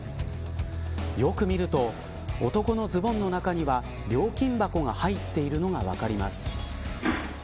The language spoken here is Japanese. よく見ると男のズボンの中には料金箱が入っているのが分かります。